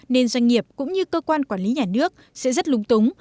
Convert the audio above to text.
nên doanh nghiệp cũng như cơ quan quản lý nhà nước sẽ rất lung túng